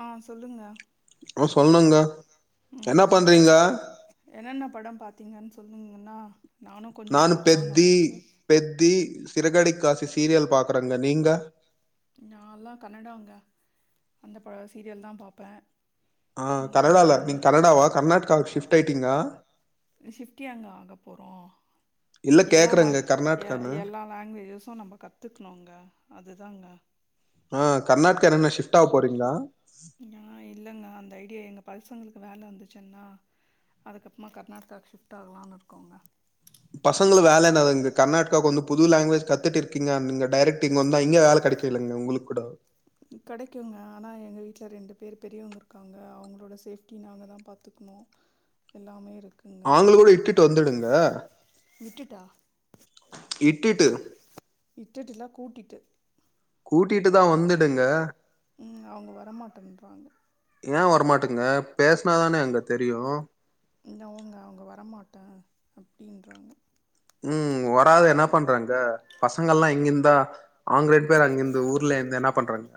ஆ சொல்லுங்க ஆ சொல்னுங்க என்ன ம் பண்றீங்க என்னென்ன படம் பாத்தீங்கன்னு சொன்னீங்கன்னா நானு கொஞ்சோ பாக்கலான்னு இருக்கு பெத்தி சிறக்கடிக்க ஆசை சீரியல் பாக்குறேங்க நீங்க நாலா கன்னடாங்க அந்த ப சீரியல் தா பாப்பே ஆ கனடால ம் நீங்க கனடாவா கர்நாடகாக்கு ஷிஃப்ட் ஆயிட்டிங்கா ஷிஃப்ட்டு ஏங்க ஆக போறோ இல்ல எல்லா கேக்குறேங்க லங் எ கர்நாடகான்னு எல்லா லாங்குவேஜசு நம்ம கத்துக்ணுங்க அதுதாங்க அ கர்நாட்கேர் என்ன ஷிப்ட் ஆவ போறீங்ளா நா இல்லங்க அந்த ஐடியா எங்க பசங்களுக்கு வேல வந்துர்ச்சுங்களா அதுக்கப்றமா கர்நாட் கா ஷிஃப்ட் ஆகலான் இருக்கோங்க பசங்களுக் வேல என்னது இங்க கர்நாட்காக்கு வந்து புது லாங்குவேஜ் கத்துட்டு இருக்கிங்க அங்க டேரெக்ட் இங்க வந்தா இங்க வேல கெடைக்கு கேளுங்க உங்ளுக் கூட கெடைக்குங்க ஆனா எங்க வீட்ல ரெண்டு பேர் பெரியவுங்க இருக்காங்க அவங்களோட சேஃப்டி நாங்க தா பாத்துக்குணு எல்லாமே இருக் ஆங்கள கூட இட்டுட்டு வந்துடுங்க விட்டுட்டா இட்டுட்டு இட்டுட்டு இல்ல கூட்டிட்டு கூட்டிட்டு தா வந்துடுங்க ம் அவுங்க வரமாட்டன்றாங்க ஏ வரமாட்டுங்க பேஸ்னா தானே அங்க தெரியு என்னவோங்க அவுங்க வரமாட்டே அப்டின்றாங்க ம் வராது என்ன பண்றாங்க பசங்கலா இங்க இந்தா அவுங்க ரெண்டு பேர் அங்கருந்து ஊர்ல இந்து என்ன பண்றாங்க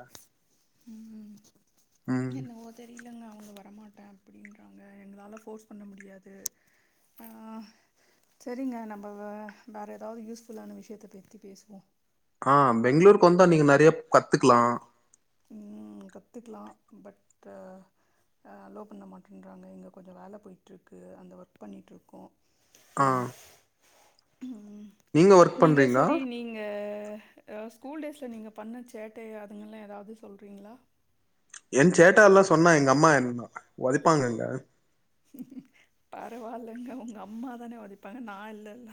ம் தெரிலங்க அவுங்க வரமாட்டே அப்டின்றாங்க எங்களால ஃபோர்ஸ் பண்ண முடியாது ஆ செரிங்க நம்ப வ வேற எதாது யூஸ்ஃபுல்லான விஷயத்த பத்தி பேசுவோ ஆ பெங்ளூருக்கு வந்தா நீங்க நெறய ப் கத்துக்கலா ம் கத்துக்லா பட்டு ஆ அலோ பண்ண மாட்டேன்றாங்க இங்க கொஞ்சோ வேல போயிட்ருக்கு அந்த ஒர்க் பண்ணிட்ருக்கோ ஆ ம் ஒர்க் நீங்க பண்றீங்களா சரி நீங்க அ ஸ்கூல் டேஸ்ல நீங்க பண்ண சேட்ட அதுங்கலா எதாது சொல்றீங்களா என் சேட்டா லா சொன்னா எங்க அம்மா என் ஒதைப்பாங்கங்க பரவால்லங்க ஒங்க அம்மா தானே ஒதைப்பாங்க நா இல்லல்ல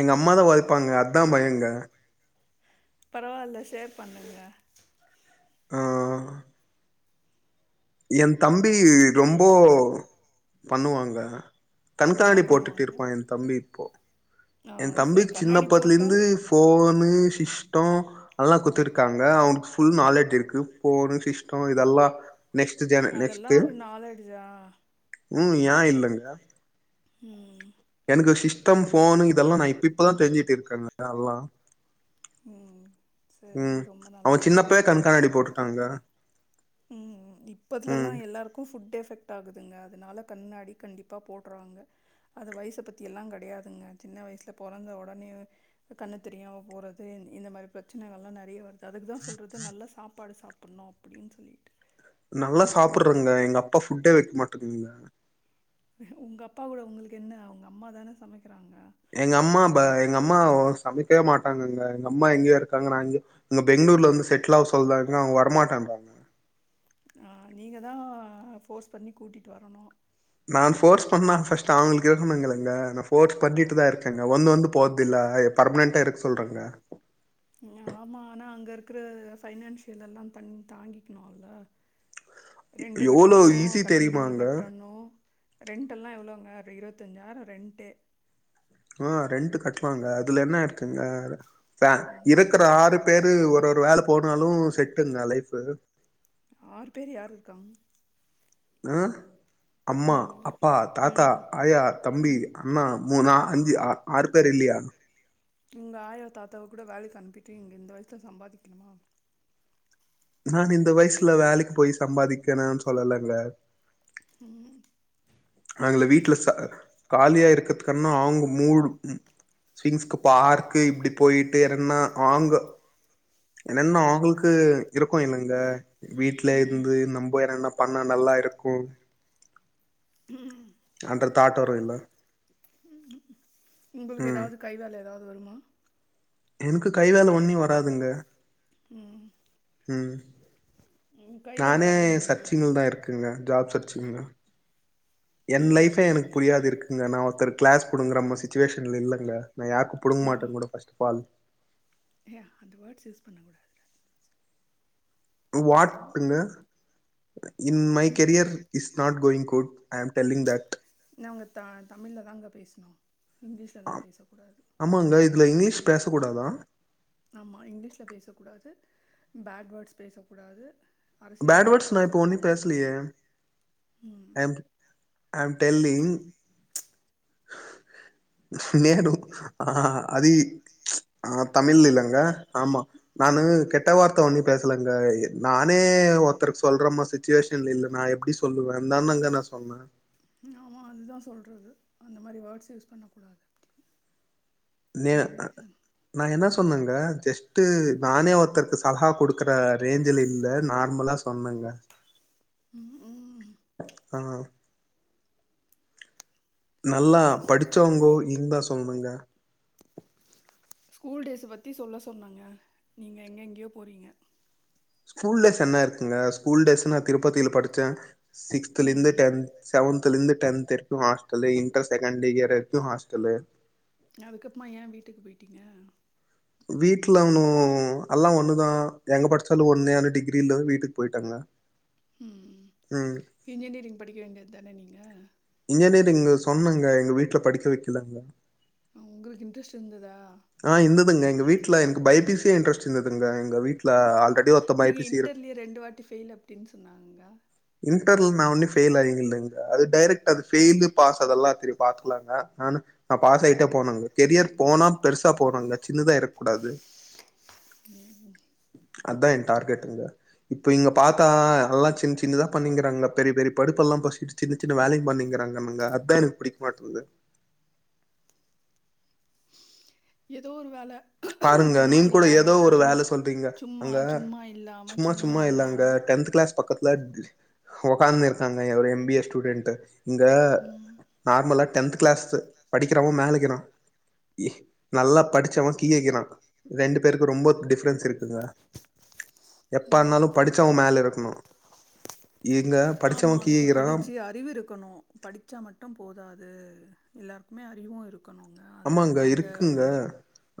எங்க அம்மாதா ஒதைப்பாங்க அதா பயங்க பரவால்ல ஷேர் பண்ணுங்க ஆ ஏன் தம்பி ரொம்போ பண்ணுவாங்க என்ன கண்காணி போட்டுட்டு பண்ணுவாங்க இருப்பா ஏ தம்பி இப்போ ஆ என் தம்பி சரி கண்ணாடி சின்னப்பத்துலருந்து போட்டால் ஃபோனு சிஸ்ட்டோ அதலா குத்துருக்காங்க அவனுக்கு ஃபுல் நாலேட் இருக்கு ஃபோனு சிஸ்ட்டோ இதெல்லா நெக்ஸ்ட் ஜன நெக்ஸ்ட்டு அதெல்லாம் ஒரு நாலேஜா ம் ஏன் இல்லங்க ம் எனக்கு சிஷ்டம் ஃபோனு இதெல்லா நா இப் இப்பதா தெரிஞ்சுட்டு இருக்கேங்க அல்லா ம் சரி ம் ரொம்ப அவ நல்ல சின்னப்பவே விஷயம் கண் கண்ணாடி போட்டுட்டாங்க ம் இப்பத்துல ம் எல்லா எல்லாருக்கு ஃபுட் எஃபெக்ட் ஆகுதுங்க அதனால கண்ணாடி கண்டிப்பா போட்றாங்க அது வய்ச பத்தியெல்லா கெடையாதுங்க சின்ன வய்சுல பொறந்த ஒடனவே கண்ணு தெரியாம போறது இன் இந்த மாரி பிரச்சனைகள்லா நறயா வருது அதுக்கு தா சொல்றது நல்ல சாப்பாடு சாப்புட்ணு அப்டின் சொல்லி நல்லா சாப்புட்றங்க எங்க அப்பா ஃபுட்டே வைக்க மாட்டேங்குங்க உங்க அப்பா கூட உங்குளுக்கு என்ன உங்க அம்மா தான சமைக்கறாங்க எங்கம்மா ப எங்கம்மா ஒ சமைக்கவே மாட்டாங்கங்க எங்கம்மா எங்கியோ இருக்காங்க நா எங்கியோ இங்க பெங்ளூர்ல வந்து செட்லு ஆவு சொல்றாங்க அவுங்க வரமாட்டேன்றாங்க அ நீங்கதா ஃபோர்ஸ் பண்ணி கூட்டிட்டு வரணு நான் ஃபோர்ஸ் பண்ணா ஃபர்ஸ்ட் அவுங்குளுக்கு இருக்கணுங்கலங்க நா ஃபோர்ஸ் பண்ணிட்டுதா இருக்கங்க வந்து வந்து போறதில்லே எப் பர்மனெண்ட்டா இருக் சொல்றங்கே ஆமா ஆனா அங்க இருக்கற பைனான்சியல் எல்லாந் தன் தாங்கிக்கிணு இல்ல ரெண்ட்டு எவ்ளோ கட்டணு ஈஸி கரண்ட் பில்லு தெரியுமாங்க? கட்டணு ரெண்டெல்லா எவ்ளோங்க ரெ இருவத்தஞ்சாயிரோ ரெண்ட்டே அ ரெண்ட்டு கட்லாங்க அதுல என்ன இருக்குங்க வே ம் இருக்கற ஆறுப் பேரு ஒரு ஒரு வேலப் போனாலு செட்டுங்க லைஃபு ஆறு பேரு யார் இருக்காங் அ அம்மா ம் அப்பா தாத்தா ம் ஆயா தம்பி ம் அண்ணா மூ நா அஞ்சு ஆறு பேரு இல்லியா உங்க ஆயா தாத்தாவக் கூட வேலைக்கு அனுப்பிட்டு இங்க இந்த வயசுல சம்பாதிக்கணுமா நானு இந்த வயசுல வேலைக்கு போயி சம்பாதிக்கணுன் சொல்லலங்க ம் நாங்கள வீட்ல சா காலியா இருக்கத்துக் கர்ணோ அவுங்கும் மூடு விங்ஸ்க்கு பார்க்கு இப்டி போயிட்டு எறங்னா ஆங்க என்னென்ன ஆங்குள்க்கு இருக்கு என்னங்க வீட்ல ம் இருந்து நம்போ என்னென்னப் பண்ணா நல்லா இருக்கு ம் அன்ற தாட்டு வரு இல்ல உங்குளுக்கு ம் எதாவ்து கை வேல எதாவ்து வருமா என்க்கு கை வேல ஒன்னியு வராதுங்க ம் ம் ம், கை வேலை நானே வரலன்னா எப்படிங்க சர்ச்சிங்கிள்தா இருக்கே க்கேங்க ஜாப் சர்ச்சிங்ள என் லைஃபே எனுக் புரியாது இருக்குங்க நா ஒருத்தர கிளாஸ் புடுங்கறமா சுச்சுவேஷன்ல இல்லங்க நா யார்க்கும் புடுங்க மாட்டேங் கூட ஃபர்ஸ் பால் யா அந்த வேர்ட்ஸ் யூஸ் பண்ணகூடாது வாட்டுங்க இன் மை ம் career is not going good நா உங்கத்தா தமிழ்ல தாங்க பேச்ணு இங்கிலீஷ்லலாம் ஆம். பேசக்கூடாது ஆமாங்க இதுல இங்கிலீஷ் பேசக்கூடாதா ஆமா இங்லீஷ்ல பேசக்கூடாது பேட் வேர்ட்ஸ் பேசக்கூடாது அரசியல் பேட் பத்தி வேர்ட்ஸ் நா இப்ப ஒன்னியும் பேசக்கூடாது. பேச்லியே ம். ஐம் ஐம் டெல்லிங் நேனு ஆ அதி ஆ தமிழ் இல்லங்க ஆமா நானு கெட்ட வார்த்த ஒன்னியும் பேசலங்க நானே ஒருத்தருக்கு சொல்றமா சுச் ச்சுவேஷன்ல இல்ல நா எப்டி சொல்லுவேந்தாணுங்க நா சொன்னே ம் ஆமா அதுதா சொல்றது அந்த மாரி வேர்ட்ஸ் யூஸ் பண்ணக்கூடாது நே ம். நா என்ன சொன்னங்க ஜஸ்ட்டு நானே ஒருத்தருக்கு சலா குடுக்கற ரேஞ்ச்சில இல்ல நார்மலாச் சொன்னங்க ம் ம் ஆ நல்லா சரி, சரி. படிச்சவுங்கோ இருந்தா சொல்லுங்க ஸ்கூல் டேஸ பத்தி சொல்ல சொன்னாங்க நீங்க எங்கெங்யோ போறீங்க ஸ்கூல் டேஸ் என்ன இருக்குங்க ஸ்கூல் டேஸ் நா திருப்பத்தில படிச்சே சிக்ஸ்த்துலேருந்து ம். டென்த் செவன்த்துலந்து டென்த் வரைக்கு ஹாஸ்டலு இன்டர் செகண்டு இயர் வரைக்கு ஹாஸ்டலு அதுக்கப்புமா ஏ வீட்டுக்கு போயிட்டீங்க வீட்லனு அல்லா ஒண்ணுதா எங்க படிச்சாலு ஒண்னு அந்த டிகிரில வீட்டுக்கு போயிட்டங்க ம். ம் இன்ஜினியரிங் படிக்க வேண்டியதுதான நீங்க இன்ஜினியரிங்கு சொன்னங்க எங்க வீட்ல படிக்க வைக்கலங்க அ உங்களுக்கு இன்ட்ரெஸ்ட் இருந்துதா ஆ இருந்துதுங்க எங்க வீட்ல எனக்கு பை பி சியே இன்ட்ரெஸ்ட் இருந்துதுங்க எங்க வீட்ல அ ஆல்ரெடி பை நீங்க பி சி இரு இன்டர்ல்லே ரெண்டு வாட்டி ஃபெயில் அப்டின்னு சொன்னாங்க இன்டர்ல நா ஒன்னு ஃபெயில் ஆயில்லங்க அது டேரக்ட்டா அது ஃபெயிலு பாஸ் அதெல்லா தெரியு பாத்துக்கலாங்க நானு நா பாஸ் ஆய்ட்டே போனங்க கெரியர் போனா பெருசா போனுங்க சின்னதா இருக்கூடாது ம் ம் அதா எ டார்கெட்டுங்க இப்ப இங்க பாத்தா எல்லா சின் சின் சின்னதா பண்ணிங்கிறாங்க பெரிய பெரிய படிப்புல்லா படிஷ்ட்டு சின்ன சின்ன வேலைங் பண்ணிங்குறாகனுங்க அதா எனக் புடிக்மாட்டுன்து ஏதோ ஒரு வேல பாருங்க சும்மா நீங் கூட ஏதோ இல்லாம ஒரு சும்மா வேல சொல்றீங்க சும்மா அங்க சும்மா இல்லாம சும்மா சும்மா இல்லங்க இல்லாம டென்த் கிளாஸ் பக்கத்துல ஒக்கான்னு இருக்காங்க ஒரு எம் பி ஏ ஸ்டூடெண்ட்டு இங்க ம் நார்மலா டென்த்து கிளாஸ் படிகிறவ மேலகீறா இ நல்லா ப கீயேகிறா ரெண்டு பேருக்கு ரொம்ப டிஃப்ரென்ஸ் இருக்குங்க ம் எப்பானாலு படிச்சவ மேல இருக்ணு இங்க ஆமா படிச்சவ அதுக்கு கீயகிறா படிச்சு அறிவு இருக்கணு படிச்சா மட்டும் போதாது எல்லாருக்குமே அறிவு இருக் கனுங்க அத ஆமாங்க இருக்குங்க அந்தவுட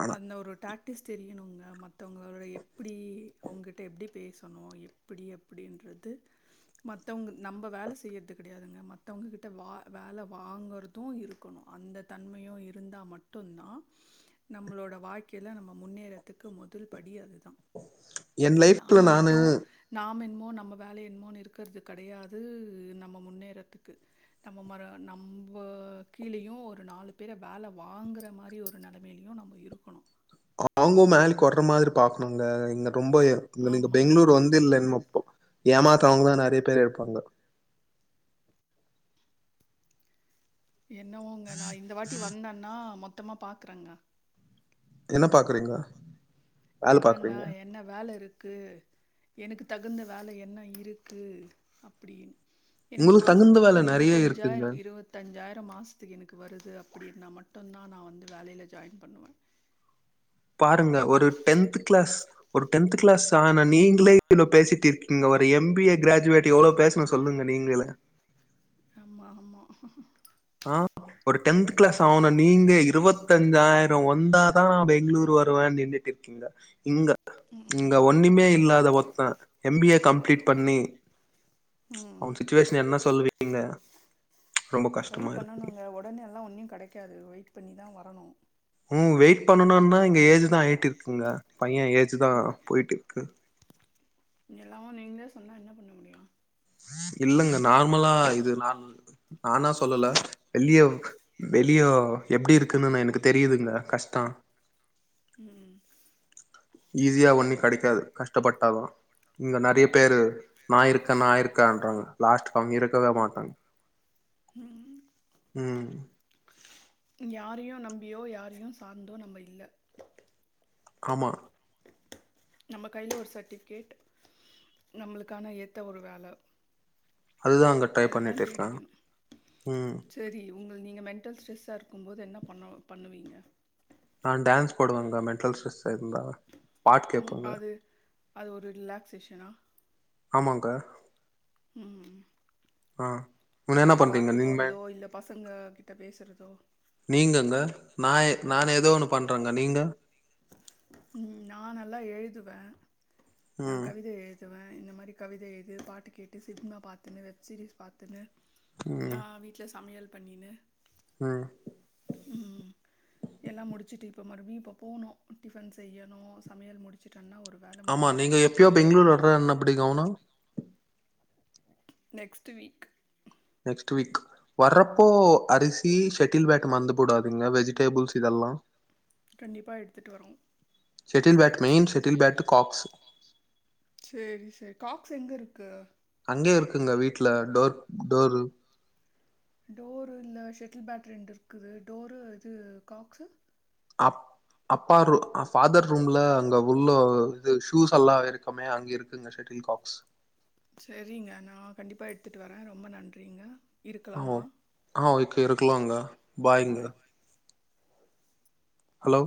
ஆனா அந்த ஒரு டாக் டிஸ் தெரியணுங்க மத்தவுங்களோட எப்புடி அவுங்க ட்ட எப்டி பேசணு எப்புடி எப்புடின்றது மத்தவுங்கள் நம்ப வேல செய்றது கிடையாதுங்க மத்தவுங்ககிட்ட வா வேல வாங்கற து இருக்கணு அந்த தன்மையு இருந்தா மட்டுந்தா நம்மளோட வாழ்க்கைல நம்ம முன்னேறத்துக்கு மொதுல் படி அதுதா என் லைஃப்ல நாம நானு மட்டு நாம் என்மோ நம்ம வேல என்மோன்னு இருக்கர்து கடையாது நம்ம முன்னேரத்துக்கு நம்ப மற நம்போ கீழயு ஒரு நாலு பேர வேல வாங்குற மாரி ஒரு ஒரு நெலமையிலையு நம்ம இருக்கணு அவுங்களு மேல்க்கு வர்ற மாரி பாக்கணுங்க இங்க ரொம்ப நீங்க ஆமாம் பெங்ளூரு வந்து இல்லன் அப்போ ஏமாத்தோவுங்க நறைய பேர் இருப்பாங்க என்னவோங்க நா இந்த வாட்டி வந்தன்னா மொத்தமா பாக்கறங்க என்ன பாக்குறீங்க வேல என்னன்னா பாக்குறீங்க என்ன வேல இருக்கு எனக்கு தகுந்த வேல என்ன இருக்கு அப்புடின்னு எனக்கு உங்களுக்கு தகுந்த மாசத்துக்கு வேல நெறைய இருக்குங்க இருவத்தஞ்சாயிரோ இருவது தஞ்சாயிரோ மாசத்துக்கு எனக்கு வருது அப்டின்னா மட்டுந்தா நா வந்து வேலைல ஜாயின் பண்ணுவ பாருங்க ஒரு டென்த்து கிளாஸ் ஒரு டென்த் கிளாஸ் ஆனா நீங்ளே இவ்ளோ பேசிட்டு இருக்கீங்கோ ஒரு எம் பி ஏ கிராஜுவேட் எவ்ளோ பேசணு சொல்லுங்க நீங்களே ஆமா ஆமா ஆ ஒரு டென்த்து கிளாஸ் ஆவுன நீங்களே இருவத்தஞ்சாயிரோ வந்தா தா பெங்ளூரு வருவேன் நின்னுட்டு இருக்கீங்க இங்க இங்க ம் ஒண்ணுமே இல்லாத ஒருத்தே எம் பி ஏ கம்ப்ளீட் பண்ணி ம் அவெ சுச்சுவேஷன் என்ன சொல்லுவீங்க ரொம்ப கஷ் ட்ரை பண்ணணுங்க ஒடனேல்லா ஒன்யு கெடைக்காது வெயிட் பண்ணி தா வரணு ம் வெயிட் பண்ணனுனா இங்க ஏஜ் தா ஆகிட்ருக்குங்க பையே ஏஜ்ஜு தா போயிட்டிருக்கு இங்க எல்லாமு நீங்களே சொன்னா என்ன பண்ண முடியு இல்லங்க நார்மலா இது நா நானா சொல்லல வெளிய வெளியோ எப்டி இருக்குன்னு எனக்கு தெரியுதுங்க கஷ்டொ ம் ஈஸியா ஒண்ணு கெடைக்காது கஷ்டப்பட்டாதா இங்க நெறைய பேரு நா இருக்கே நா இருக்கேன்றாங்க லாஸ்ட் அவங்க இருக்கவே மாட்டாங்க ம் ம் ம் யாரயு நம்பியோ யாரயு சார்ந்தோ நம்ம இல்ல ஆமா நம்ம கைல ஒரு சர்டிஃபிகேட் நம்மளுக்கான ஏத்த ஒரு வேல அதுதாங்க டை பண்ணிட் இருக்கே ம் தெரி ஒங்கள நீங்க மென்டல் ஸ்ட்ரெஸ்சா இருக்கும்போது என்ன பண்ண பண்ணுவீங்க நா டான்ஸ் போடுவங்க மெண்டல் ஸ்ட்ரஸ்சா இருந்தா பாட்டு ம் கேப்பங்க அது அது ஒரு ரிலாக்சேஷனா ஆமாங்க ம் ம் அ பார்க்கு போறதோ இல்ல பசங்க கிட்ட பேசுறதோ நீங்கங்க நாய் நானு எதோ ஒன்னு பண்றங்க நீங்க ம் நா நல்லா எழுதுவே நா ம் கவிதை எழு துவே இந்த மாரி கவிதை எழுது பாட்டு கேட்டு சினிமா பாத்துன்னு வெப் சீரிஸ் பாத்துன்னு நா ம் வீட்ல சமையல் பண்ணினு ஆ ம் எல்லா முடுச்சுட்டு இப்ப மறுபடியு இப்ப போணு டிஃபன் செய்யணு சமையல் முடுச்சுட்டனா ஒரு வேலை ஆமா நீங்க முடிஞ்சிடும் எப்பயோ பெங்களூர் வர்றேன் அப்டி கௌனு நெக்ஸ்ட்டு வீக் நெக்ஸ்ட்டு வீக் வர்றப்போ அரிசி செ தில்பேக்கு மறந்து போடாதுங்க வெஜிடேபிள்ஸ் இதெல்லா கண்டிப்பா எடுத்துட்டு வரோ shuttle bat main shuttle bat cocks சேரி சேரி காக்ஸ் எங்க இருக்கு அங்க இருக்குங்க வீட்ல டோர் டோரு டோரு இல்ல ஷெட்டில் பேட் ரெண்டு இருக்குது டோரு இது காக்ஸு அப் அப்பா ரூ ஃபாதர் ரூம்ல அங்க உள்ள இது ஷூஸ் எல்லா இருக்குமே அங்க இருக்குங்க செட்டில் காக்ஸ் சரிங்க நா கண்டிப்பா எடுத்துட்டு வரே ரொம்ப நன்றிங்க இருக்கலாமா ஹா ஓகே இருக்கலாங்க பாய்ங்க பாய் ஹலோ